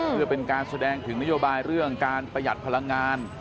เพื่อเป็นการแสดงถึงนโยบายเรื่องการประหยัดพลังงาน